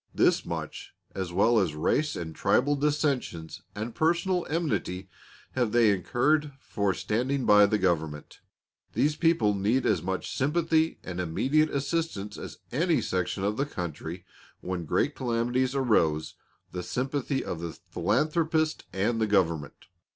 This much, as well as race and tribal dissensions and personal enmity, have they incurred for standing by the Government. These people need as much sympathy and immediate assistance as any section of country when great calamities arouse the sympathy of the philanthropist and the Government.